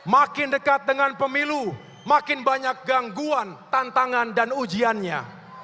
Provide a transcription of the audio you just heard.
makin dekat dengan pemilu makin banyak gangguan tantangan dan ujiannya